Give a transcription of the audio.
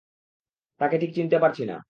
তাকে ঠিক চিনতে পারছি না।